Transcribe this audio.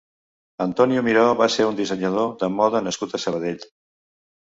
Antonio Miró va ser un dissenyador de moda nascut a Sabadell.